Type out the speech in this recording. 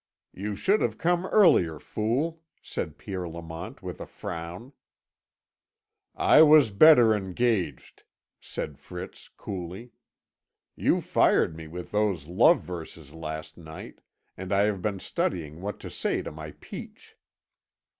"You should have come earlier, fool," said Pierre Lamont with a frown. "I was better engaged," said Fritz coolly. "You fired me with those love verses last night, and I have been studying what to say to my peach."